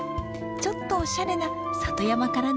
ちょっとおしゃれな里山からの贈り物です。